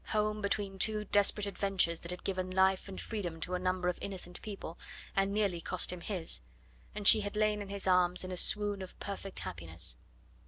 home between two desperate adventures that had given life and freedom to a number of innocent people, and nearly cost him his and she had lain in his arms in a swoon of perfect happiness.